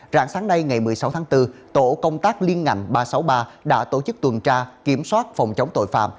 rạng sáng nay ngày một mươi sáu tháng bốn tổ công tác liên ngành ba trăm sáu mươi ba đã tổ chức tuần tra kiểm soát phòng chống tội phạm